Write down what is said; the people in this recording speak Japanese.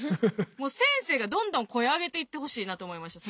もう先生がどんどん声上げていってほしいなと思いました。